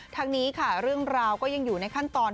ทั้งนี้ค่ะเรื่องราวก็ยังอยู่ในขั้นตอน